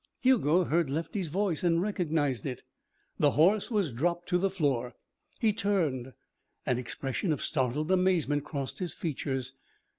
Hugo heard Lefty's voice and recognized it. The horse was dropped to the floor. He turned. An expression of startled amazement crossed his features.